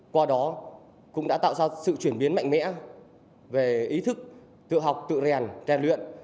qua đó cũng đã tạo ra sự chuyển biến mạnh mẽ về ý thức tự học tự rèn rèn luyện